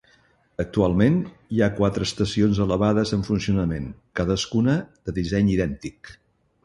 Actualment hi ha quatre estacions elevades en funcionament, cadascuna de disseny idèntic.